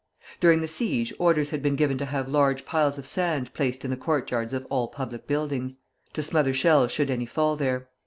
During the siege orders had been given to have large piles of sand placed in the courtyards of all public buildings, to smother shells should any fall there.